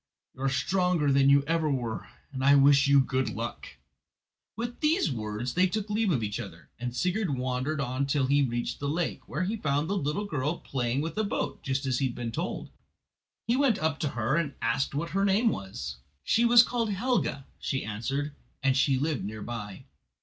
You are stronger than ever you were, and I wish you good luck." With these words they took leave of each other, and Sigurd wandered on till he reached the lake, where he found the little girl playing with a boat, just as he had been told. He went up to her and asked what her name was. She was called Helga, she answered, and she lived near by.